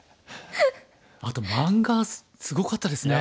あと漫画すごかったですね。